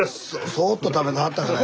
そっと食べてはったから。